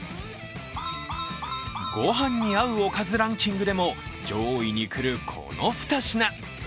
ご飯に合うおかずランキングでも上位にくるこの２品。